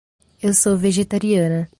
Eu sou vegetariana.